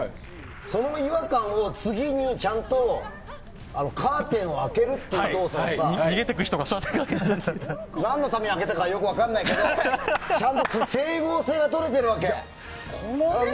その違和感を次にちゃんとカーテンを開けるという何のために開けたか分からないけどちゃんと整合性が取れてるわけ。